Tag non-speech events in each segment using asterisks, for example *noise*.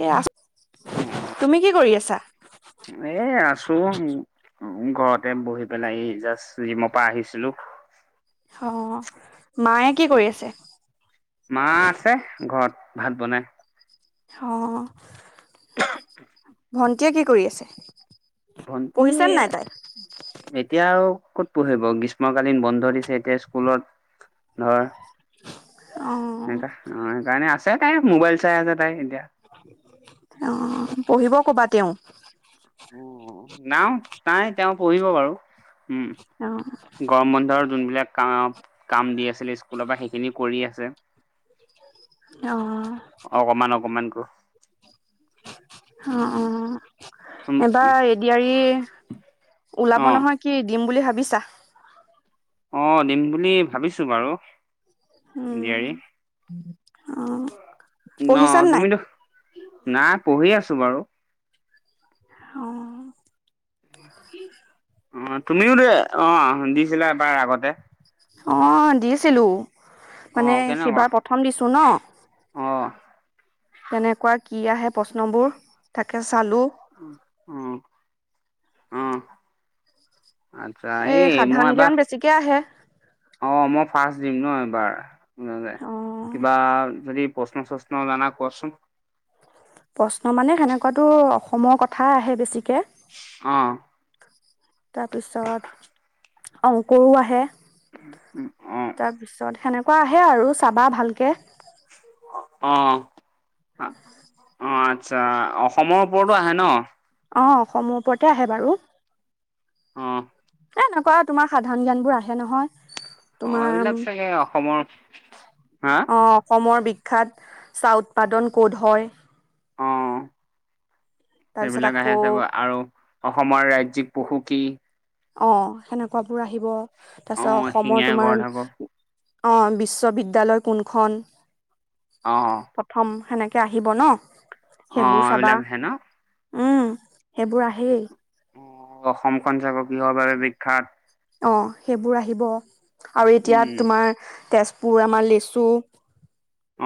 এ আ তুমি কি কৰি আছা? অ' এ আছো। ঘৰতে বহি পেলাই, এই জাষ্ট জিমৰ পা আহিছিলো। হ' মায়ে কি কৰি আছে? 'মা' আছে ঘৰত ভাত বনাই। অ' ভন্টীয়ে কি কৰি আছে? ভণ্টী পঢ়িছে এ। নাই তাই? এতিয়া আৰু ক'ত পঢ়িব, গ্ৰীষ্মকালীন বন্ধ দিছে, এতিয়া স্কুলত। ধৰ, অ অ' সেইকাৰণে আছে তাই, মোবাইল চাই আছে, তাই এতিয়া। অ' পঢ়িব ক'বা তেওঁ। অ' নাও তাই তেওঁ পঢ়িব বাৰু, উম'। অ গৰম বন্ধৰ যোনবিলাক কাম, কাম দি আছিলে স্কুলৰ পা, সেইখিনি কৰি আছে। অঁ। অকমান, অকমান ক। অ', অ', উম এবাৰ এ, ডি, আৰ, ই অ ওলাব নহয়। কি দিম বুলি ভাবিছা? অ' দিম বুলি ভাবিছো বাৰু। A, D, um R, E, অ ন পঢ়িছান নাই? তুমিটো। না পঢ়ি আছো বাৰু। অঁ। অ' তুমিও যে, অ' দিছিলা এবাৰ আগতে। অ' দিছিলো, অ মানে কেনেকুৱা সিবাৰ প্ৰথম দিছো ন'। অ কেনেকুৱা কি আহে প্ৰশ্নবোৰ, তাকে চালোঁ। অ অ আচ্ছা এ এই মই সাধাৰণ এবাৰ জ্ঞান বেছিকে আহে। অ' মই ফাৰ্ষ্ট দিম ন' এইবাৰ, অ কিবা যদি প্ৰশ্ন, চশ্ন জানা কোৱাচোন। প্ৰশ্ন মানে সেনেকুৱাতো, অসমৰ কথা আহে বেছিকে। অ'। তাৰপিছত, অংকৰো আহে। উম'। তাৰপিছত সেনেকুৱা আহে আৰু, চাবা ভালকে। অ'। অ' আচ্ছা, অসমৰ ওপৰতো আহে ন'? অ' অসমৰ ওপৰতে আহে বাৰু। অ'। এ এনেকোৱা তোমাৰ সাধাৰণ জ্ঞানবোৰ আহে নহয়। অ', তোমাৰ এইবিলাক চাগে অসমৰ হা অ', অসমৰ বিখ্যাত চাহ উৎপাদন ক'ত হয়! অ', তাৰপিছত সেইবিলাক আকৌ আহে চাগৈ আৰু অসমৰ ৰাজ্যিক পশু কি? অ', সেনেকুৱাবোৰ আহিব। অ তাৰপিছত শিঙীয়া অসমৰ তোমাৰ গড়ধাগৰ অ', বিশ্ববিদ্যালয় কোনখন? অ', অ'। প্ৰথম সেনেকে আহিব ন' অ সেইবোৰ চাবা। এইবিলাক হে ন উম, সেইবোৰ আহেই। অ অসমখন চাগৈ কিহৰ বাবে বিখ্যাত! অ', সেইবোৰ আহিব আৰু উম এতিয়া তোমাৰ তেজপুৰ আমাৰ লেচু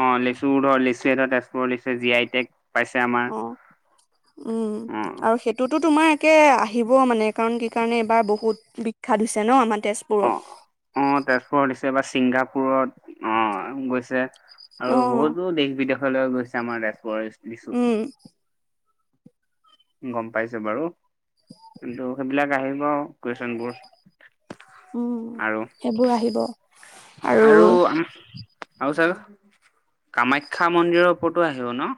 অ', লেচু ধৰ লেচি এটা তেজুপুৰ লিচু জি আই টেগ পাইছে আমাৰ অ', উম, অ আৰু সেই এইটোতো তোমাৰ একে আহিব মানে কাৰণ কি কাৰণে এইবাৰ বহুত বিখ্যাত হৈছে ন' আমাৰ অ তেজপুৰত। অ', তেজপুৰৰ লিচু এইবাৰ ছিংগাপুৰত অ', গৈছে আৰু অ', বহুতো দেশ বিদেশলৈ গৈছে আমাৰ তেজপুৰৰ লিচু। উম। গম পাইছোঁ বাৰু, কিন্তু সেইবিলাক আহিব কুৱেশ্যনবোৰ উম, আৰু সেইবোৰ আহিব। আৰু আ, আৰু চাগ কামাখ্যা মন্দিৰৰ ওপৰতো আহিব ন'!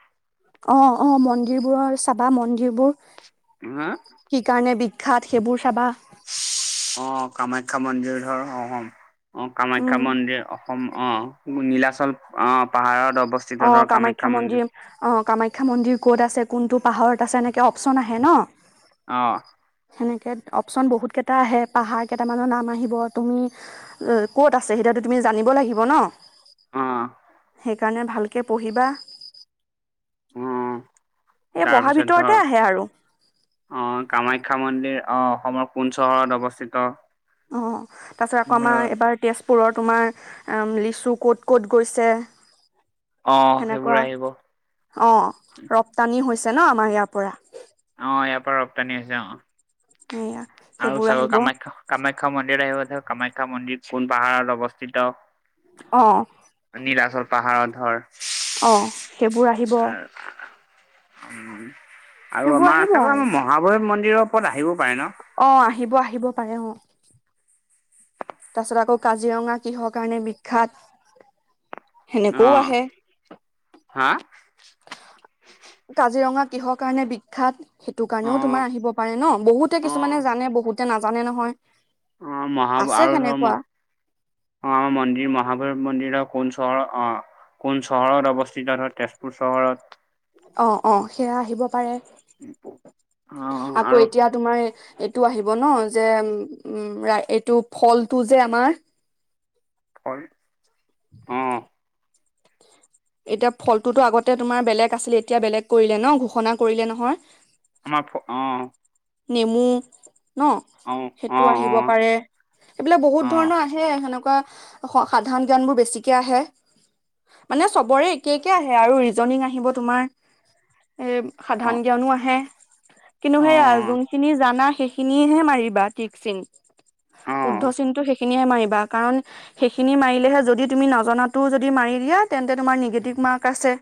অ', অ', মন্দিৰবোৰৰ চাবা, মন্দিৰ বোৰ হা! কি কাৰণে বিখ্যাত সেইবোৰ চাবা? অ', কামাখ্যা মন্দিৰ ধৰ অ', হম অ কামাখ্যা উম, মন্দিৰ অ', নিলাচল অ', পাহাৰত অৱস্থিত ধৰক কামাখ্যা মন্দিৰ। অ', কামাখ্যা মন্দিৰ ক'ত আছে কোনটো পাহাৰত আছে এনেকৈ অপচন আহে ন'! অ'। সেনেকে অপশচন বহুত কেইটা আহে, পাহাৰ কেইটামানৰ নাম আহিব তুমি ক'ত আছে সেইটো তুমি জানিব লাগিব ন, অ', সেইকাৰণে ভাল কে পঢ়িবা। অ', এই পঢ়াৰ তাৰপিছত ভিতৰতে ধৰ আহে আৰু অ', কামাখ্যা মন্দিৰ অ', অসমৰ কোন চহৰত অৱস্থিত। অ', তাৰপিছত আকৌ আমাৰ এইবাৰ তেজপুৰৰ তোমাৰ লিচু ক'ত, ক'ত গৈছে। অ', সেইবোৰ আহিব। অ', ৰপ্তানি হৈছে ন' আমাৰ ইয়াৰ পৰা। অ', ইয়াৰ পৰা ৰপ্তানি হৈছে অ'। সেয়া। আৰু চাব কামাখ্যা, কামাখ্যা মন্দিৰ আহিব চাগ কামাখ্যা মন্দিৰ কোন পাহাৰত অৱস্থিত? অ'। নিৰাচল পাহাৰত ধৰ। অ', সেইবোৰ আহিব। উম, আৰু সেইবোৰ আমাৰ আহিব আছে আৰু *unintelligible* মহাভৈৱ মন্দিৰৰ ওপৰত আহিবও পাৰে ন'! অ', আহিব, আহিব পাৰে অ'। তাৰপিছত আকৌ কাজিৰঙা কিহৰ কাৰণে বিখ্যাত? সেনেকৈও অ', আহে হা কাজিৰঙা কিহৰ কাৰণে বিখ্যাত? সেইটো কাৰণেও অ', তোমাৰ আহিব পাৰে ন' বহুতে অ', কিছুমানে জানে বহুতে নাজানে নহয় অ', মহা আছে আৰু ধৰ সেনেকুৱা অ', মন্দিৰ মহাভৈৰৱ মন্দিৰৰ কোন চৰহত অ'। কোন চহৰত অৱস্থিত ধৰ তেজপুৰ চহৰত। অ', অ', সেয়া আহিব পাৰে। অ', আকৌ আৰু এতিয়া তোমাৰ এইটো আহিব ন' যে উ এইটো ফলটো যে আমাৰ! হয়। এতিয়া ফলটোতো আগতে তোমাৰ বেলেগ আছিলে, এতিয়া বেলেগ কৰিলে ন' ঘোষণা কৰিলে নহয়! আমাৰ অ'। নেমু ন' অ', অ', সেইটো আহিব অ', পাৰে। এইবিলাক বহুত অ', ধৰণৰ আহে, সেনেকুৱা সাধাৰন জ্ঞানবোৰ বেছিকে আহে। মানে চবৰে একে, একে আহে আৰু ৰিজনিং আহিব তোমাৰ। এ, সাধাৰন অ', জ্ঞানো আহে। কিন্তু সেইয়া অ', যোনখিনি জান জানা সেইখিনিহে মাৰিবা টিক চিন। শুদ্ধ অ', চিনটো সেইখিনিহে মাৰিবা। কাৰণ সেইখিনি মাৰিলেহে যদি তুমি নাজনাটো যদি মাৰি দিয়া তেন্তে তোমাৰ নেগেটিভ মাৰ্ক আছে।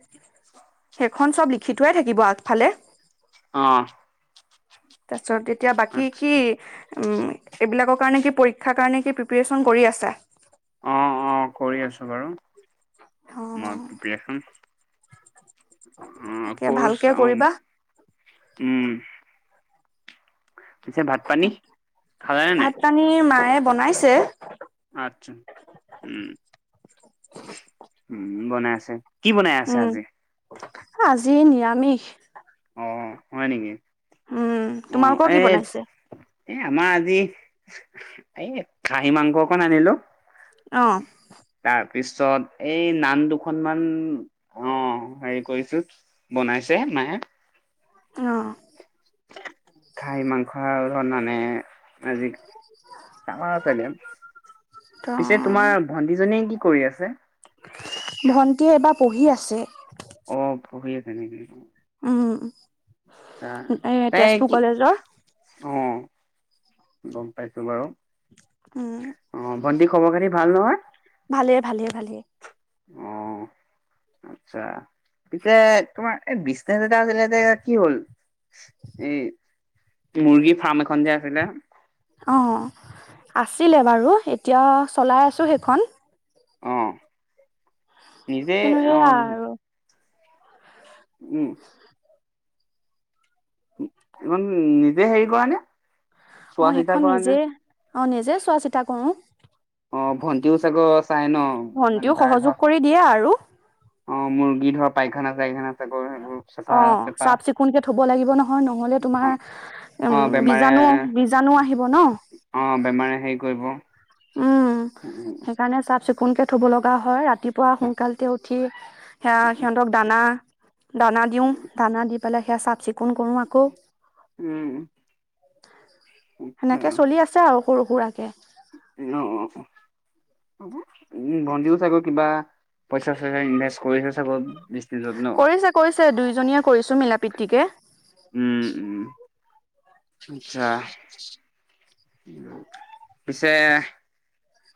সেইখন চব লিখি থোৱাই থাকিব আগফালে। অ'। তাৰপিছত এতিয়া বাকী কি? আচ্ছা। এইবিলাকৰ কাৰণে কি পৰীক্ষাৰ কাৰণে কি প্ৰিপেৰেশ্যন কৰি আছা? অ', অ', কৰি আছোঁ বাৰু অ মই প্ৰিপেৰেশ‌্যন। অ', তাকে ভালকে কৰ্চ অ' কৰিবা উম, পিছে ভাত পানী খালানে নাই? ভাত পানী মায়ে বনাইছে। আটচা উম, উম, বনাই আছে। কি বনাই আছে উম আজি? আজি নিৰামিষ। অ', হয় নেকি? উম অ', তোমালোকৰ এ কি বনাইছে এ, আমাৰ আজি এ, খাহী মাংস অকন আনিলোঁ। অ'। তাৰপিছত এই নান দুখনমান অ', হেৰি কৰিছোঁ। বনাইছে মায়ে। অ'। গাহৰি মাংস আৰু ধৰ নানে। আজি *unintelligible* পিছে ত তোমাৰ ভণ্টিজনীয়ে কি কৰি আছে? ভণ্টীয়ে এবাৰ পঢ়ি আছে। অ', পঢ়ি আছে নেকি? উম আচছা। এ তাই তেজপুৰ কি? কলেজৰ অ', গম পাইছোঁ বাৰু। উম। অ', ভণ্টি খবৰ খাতি ভাল নহয়? ভালে, ভালে- ভালেই। অ আচ্ছা পিছে তোমাৰ এই বিজনেছ এটা আছিলে যে এয়া কি হ'ল? এই মুৰ্গী ফাৰ্ম এখন যে আছিলে। অঁ আছিলে বাৰু এতিয়া চলাই আছোঁ সেইখন। অ নিজে কিন্তু অ। সেয়া আৰু উম। এখন নিজে হেৰি কৰা নে? চোৱা অ' চিতা সেইখন কৰা নে নিজে অ' নিজে চোৱা চিতা কৰো। অ ভণ্টিও চাগ চাই ন মানে তাৰ দিয়া আৰু অ মুৰ্গী ধৰা পাইখানা চাইখানা *unintelligible* অ' তেপা চাফ চিকুণকে থব লাগিব নহয়। নহ'লে তোমাৰ অ অ উম বেমাৰে বীজাণু বীজাণু আহিব নহ। অ বেমাৰে হেৰি কৰিব। উম উম সেইকাৰণে চাফ চিকুণকে থব লগা হয়। ৰাতিপুৱা সোনকালতে উঠি। সেয়া সিহঁতক দানা দানা দিও, দানা দি পেলাই সেয়া চাফ চিকুণ কোন কৰো উম আকৌ চলি আছে আৰু সৰু সুৰাকে। অ অ উ ভন্টিও চাগে কিবা পইচা চইচা ইনভেষ্ট কৰিছে চাগৈ। বিজনেছত ন কৰিছে কৰিছে দুইজনীয়ে কৰিছো মিলা প্ৰীতিকে। উম উম আচ্ছা। পিছে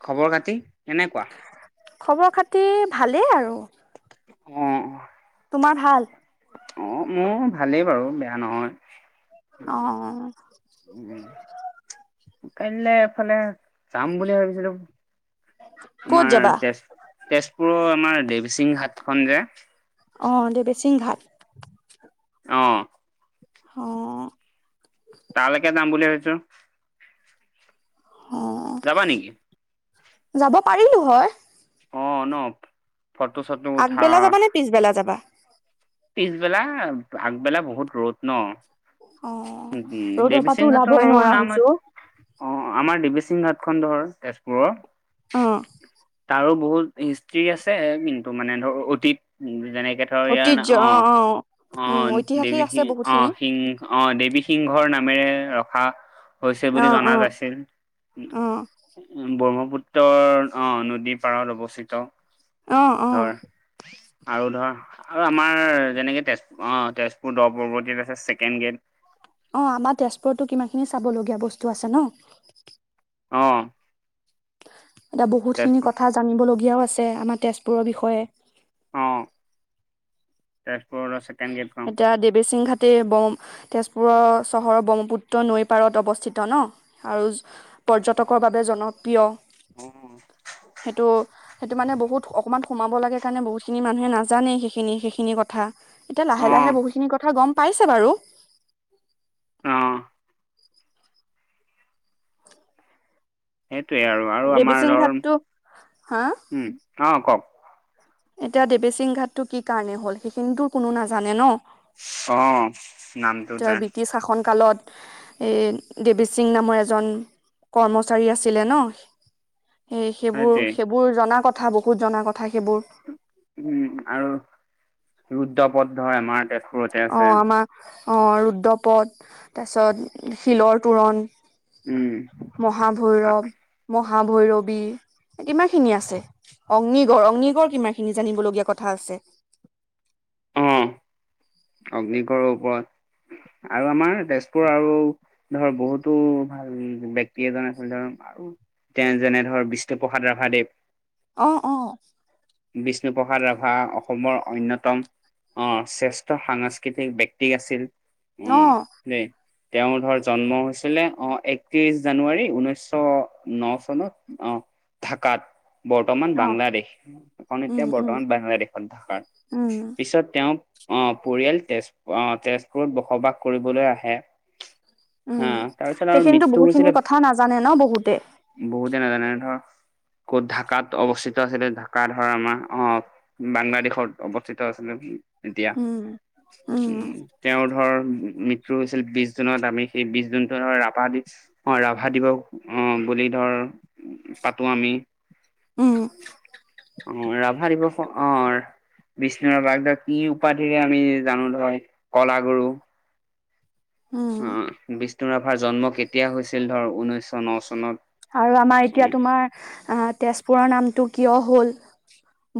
খবৰ খাতি কেনেকুৱা? খবৰ খাতি ভালেই আৰু। অ তোমাৰ ভাল? অ মোৰ ভালেই বাৰু বেয়া নহয়। অ'অ' উম কাইলৈ এফালে যাম বুলি ভাবিছিলো। ক'ত তোমাৰ যাবা তেজ- তেজপুৰৰ আমাৰ দেৱচিং ঘাট খন যে অ' দেৱীসিং ঘাট অ অহ তালৈকে যাম বুলি ভাবিছোঁ। যাবা নেকি? অ' যাব পাৰিলো হয়। অ নহ ফটো চটো আগবেলা যাবা নে পিছবেলা যাবা? পিছবেলা আগবেলা বহুত ৰ'দ নহ। অ উ উ ৰ'দৰ দেৱী পৰাতো সিংঘাটৰ ওলাবই নোৱাৰা নাম হৈছো অ আমাৰ দেৱীসিং ঘাট খন ধৰ তেজপুৰৰ। অ আৰু বহুত হিষ্ট্ৰ্ৰী আছে কিন্তু মানে ধৰ অতীত যেনেকে ধৰ ইয়াৰ অ অ উম ঐতিহাসিক দেৱী আছে সিং অ বহুতখিনি সিং অ দেৱী সিংহৰ নামেৰে ৰখা। হৈছে বুলি অ জনা অ নাছিল। অ ব্ৰহ্মপুত্ৰৰ অ' নদী পাৰত অৱস্থিত। অ অ ধৰ আৰু ধৰ আৰু আমাৰ যেনেকৈ তেজপুৰ অ' তেজপুৰ দহ পৱৰ্তীয়াত আছে ছেকেণ্ড গেট অ আমাৰ তেজপুৰো কিমানখিনি চাবলগীয়া বস্তু আছে ন অ এতিয়া বহুতখিনি তেজপুৰ কথা জানিবলগীয়াও আছে আমাৰ তেজপুৰৰ বিষয়ে অ তেজপুৰত আছে এতিয়া দেৱেচিংঘাট তে- তেজপুৰৰ চহৰৰ ব্ৰহ্মপুত্ৰ নৈ পাৰত অৱস্থিত ন। আৰু পৰ্যটকৰ বাবে জনপ্ৰিয় অ', সেইটো সেইটো মানে বহুত অকণমান সোমাব লাগে কাৰণে বহুতখিনি মানুহে নাজানেই সেইখিনি সেইখিনি কথা এতিয়া লাহে লাহে অ', বহুখিনি কথা গ'ম পাইছে বাৰু অ সেইটোৱেই আৰু আৰু আমাৰ দেৱীচিং ধৰ ঘাটটো হা উম অ' কওক এতিয়া দেৱচিং ঘাটতো কি কাৰণে হ'ল সেইখিনিতো কোনো নাজানে ন। অ নামটো তেওঁ তাৰ ব্ৰিটিছ শাসনকালত এই দেৱী সিং নামৰ এজন কৰ্মচাৰী আছিলে ন এ সেইবোৰ সেইটোৱে সেইবোৰ জনা কথা বহুত জনা কথা সেইবোৰ উম আৰু *unintelligible* হয় আমাৰ তে অ' আমাৰ অ' ৰুদ্ৰপদ তাৰপিছত শিলৰ তোৰণ উম, মহাভৈৰৱ, মহাভৈৰৱী কিমান খিনি আছে। অগ্নিগড় অগ্নিগড় কিমান খিনি জানিবলগীয়া কথা আছে। অ, অগ্নিগড়ৰ ওপৰত আৰু আমাৰ তেজপুৰ আৰু ধৰ বহুতো ভাল ব্যক্তি এজন আছিল ধৰ আৰু তে যেনে ধৰ বিষ্ণুপ্ৰসাদ ৰাভাদেৱ অ অ বিষ্ণুপ্ৰসাদ ৰাভা অসমৰ অন্যতম অহ শ্ৰেষ্ঠ সাংস্কৃতিক ব্যক্তি আছিল অ দেই তেওঁৰ ধৰ জন্ম হৈছিলে অহ একত্ৰিশ জানুৱাৰী ঊনৈশ ন চনত। অ' ঢাকাত বৰ্তমান অ বাংলাদেশ এইখন এতিয়া উম উম বৰ্তমান বাংলাদেশত ঢাকাৰ উম পিছত তেওঁ অহ পৰিয়াল তেজ অহ তেজপুৰত বসবাস কৰিবলৈ আহে হা উম তাৰপিছত আৰু সেইখিনিতো মৃত্যু বহুতখিনি কথাও নাজানে ন বহুতে বহুতেই নাজানে ধৰ ক'ত ঢাকাত অৱস্থিত আছিলে ঢ কা ধৰ আমাৰ অহ বাংলাদেশত অৱস্থিত আছিলে। এতিয়া উম, উম তেওঁৰ ধৰ মৃত্যু হৈছিল বিশ জুনত আমি সেই বিশ জুনটো ধৰ ৰাভা দি অ' ৰাভা দিৱস অ' বুলি ধৰ পাতো আমি। উম অ' ৰাভা দিৱস অ' বিষ্ণুৰাভাক ধৰ কি উপাধিৰে আমি জানো ধৰ কলাগুৰু। উম, অহ বিষ্ণু ৰাভাৰ জন্ম কেতিয়া হৈছিল ধৰ ঊনৈশ ন চনত। আৰু আমাৰ এতিয়া উম তোমাৰ আহ তেজপুৰৰ নামটো কিয় হ'ল!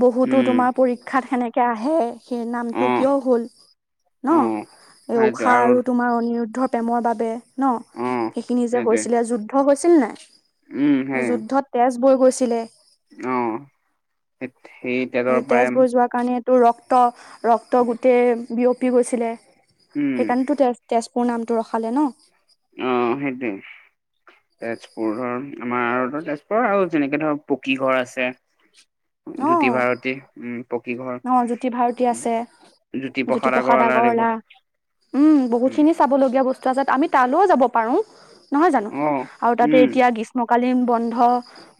বহুতো উম তোমাৰ পৰীক্ষাত সেনেকে আহে, সেই অ অ নামটো কিয় হ'ল। ন' এই উষা আৰু তোমাৰ অনিৰুদ্ধ প্ৰেমৰ বাবে। অ ন' সেইখিনি যে সেইটোৱে হৈছিলে, যুদ্ধ হৈছিল নাই! উম সেই যুদ্ধত তেজ বৈ গৈছিলে। অ', হেট সেই তেলৰ সেই পৰাই তেজবোৰ যোৱাৰ কাৰণেটো ৰক্ত, ৰক্ত গোটেই বিয়পি গৈছিলে। উম সেইকাৰণেটো তেজ- তেজপুৰ নামটো ৰখালে ন। অ', সেইটোৱে। তেজপুৰ ধৰ, আমাৰ তেজপুৰ আৰু যেনেকে ধৰ পকী ঘৰ আছে। জ্যোতি অ', ভাৰতী উম পকী ঘৰ ন' জ্যোতি ভাৰতী আছে। জ্যোতি প্ৰসাদ জ্যোতিপ্ৰসাদ আগৰৱালাদেৱৰ আগৰৱালা উম, বহুখিনি চাবলগীয়া বস্তু আছে আমি তালৌ যাব পাৰোঁ, নহয় জানো! অ আৰু তাতে উম এতিয়া গিছ মকালীন বন্ধ,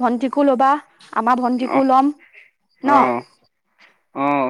ভণ্টিকো ল'বা আমাৰ অ ভন্টিকো ল'ম ন'? অ অ